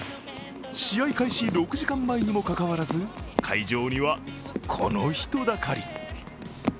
試合開始６時間前にもかかわらず会場にはこの人だかり。